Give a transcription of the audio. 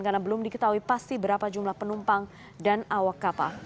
karena belum diketahui pasti berapa jumlah penumpang dan awak kapal